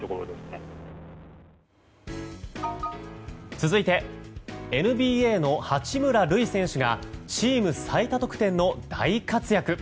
続いてＮＢＡの八村塁選手がチーム最多得点の大活躍。